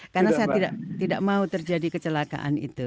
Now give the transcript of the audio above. karena saya tidak mau terjadi kecelakaan itu